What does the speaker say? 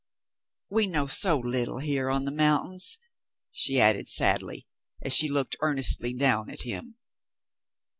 We know so little here on the mountains," she added sadly, as she looked earnestly down at him.